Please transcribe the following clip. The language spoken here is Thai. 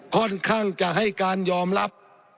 ค่อนข้างจะให้การยอมรับ